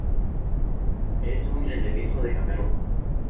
Es un endemismo de Camerún.